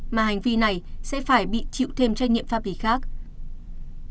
mà hành vi này sẽ phải bị chịu thêm trách nhiệm pháp lý khác